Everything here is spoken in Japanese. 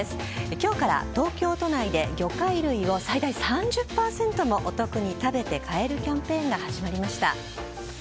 今日から東京都内で魚介類を、最大３０％もお得に食べて、買えるキャンペーンが始まりました。